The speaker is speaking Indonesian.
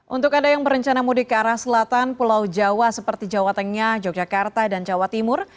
untuk anda yang berencana mudik ke arah selatan pulau jawa seperti jawa tengah yogyakarta dan jawa timur